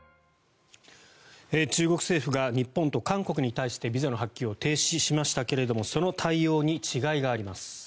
中国政府が日本と韓国に対してビザの発給を停止しましたがその対応に違いがあります。